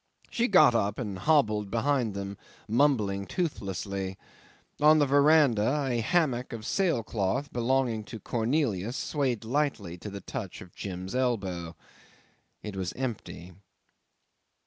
She got up and hobbled behind them, mumbling toothlessly. On the verandah a hammock of sail cloth, belonging to Cornelius, swayed lightly to the touch of Jim's elbow. It was empty.